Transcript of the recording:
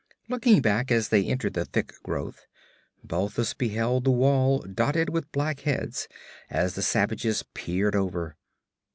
Looking back as they entered the thick growth, Balthus beheld the wall dotted with black heads as the savages peered over.